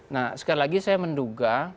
nah sekali lagi saya menduga